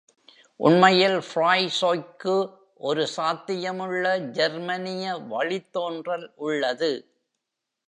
உண்மையில் ஃபிராய்சோய்க்கு ஒரு சாத்தியமுள்ள ஜெர்மனிய வழித்தோன்றல் உள்ளது.